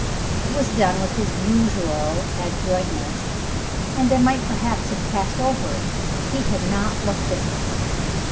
It was done with his usual adroitness, and I might perhaps have passed it over if he had not looked at me.